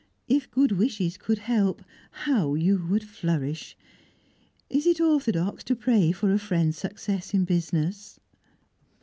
If good wishes could help, how you would flourish! Is it orthodox to pray for a friend's success in business?"